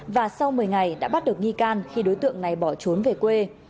và sau một mươi ngày đã bắt được nghi can khi đối tượng này bỏ trốn về quê